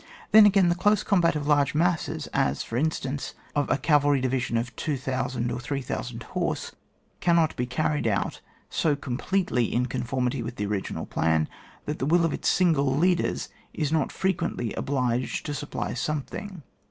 Then again, the dose combat of large masses, as, for in stance,'of a cavalry division of 2,000 or 3,000 horse, cannot be carried out so com pletely in conformity with the original plan that the will of its single leaders is not frequently obliged to supply some thing.